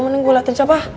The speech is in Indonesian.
mending gue liatin siapa